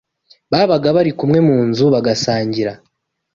Babaga bari kumwe mu nzu, bagasangira